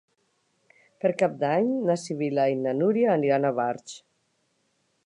Per Cap d'Any na Sibil·la i na Núria aniran a Barx.